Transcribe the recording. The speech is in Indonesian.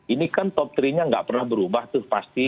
ini kan top tiga nya nggak pernah berubah tuh pasti